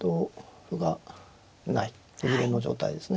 歩切れの状態ですね。